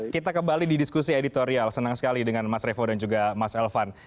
kita kembali di diskusi editorial senang sekali dengan mas revo dan juga mas elvan